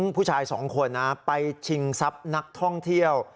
ผู้ชายสองคนนะไปชิงทรัพย์นักท่องเที่ยว